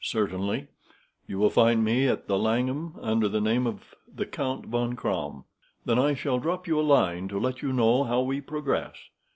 "Certainly. You will find me at the Langham, under the name of the Count von Kramm." "Then I shall drop you a line to let you know how we progress."